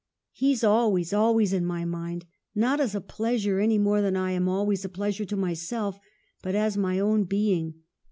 He's always, always in my mind : not as a pleasure, any more than I am always a pleasure to myself, but as my own being.